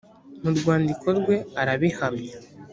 mu rwandiko rwe arabihamya